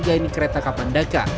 yaitu kereta kapandaka